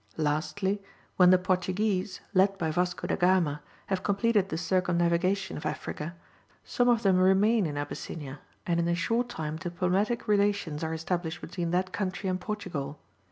Lastly, when the Portuguese, led by Vasco da Gama, have completed the circumnavigation of Africa, some of them remain in Abyssinia, and in a short time diplomatic relations are established between that country and Portugal.